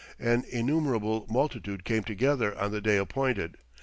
"An innumerable multitude" came together on the day appointed.